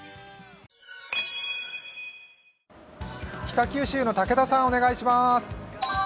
北九州の武田さん、お願いします。